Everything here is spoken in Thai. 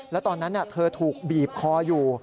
แล้วตอนนั้นเธอถูกบีบคออยู่